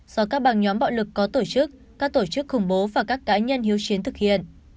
do các bằng nhóm bạo lực có tổ chức các tổ chức khủng bố và các cá nhân hiếu chiến thực hiện